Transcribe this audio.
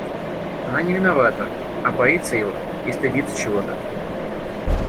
Она не виновата, а боится его и стыдится чего-то.